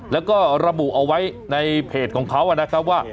แล้วก็ระบุเอาไว้ในเพจของเขานะครับว่า